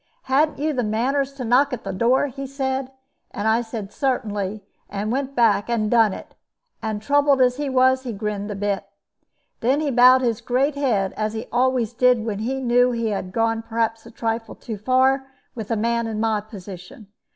'Ha'n't you the manners to knock at the door?' he said; and I said, 'Certainly,' and went back and done it; and, troubled as he was, he grinned a bit. Then he bowed his great head, as he always did when he knew he had gone perhaps a trifle too far with a man in my position.